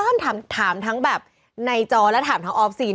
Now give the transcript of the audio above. มีก็ถามทั้งในจอและออฟซีด้วยนะ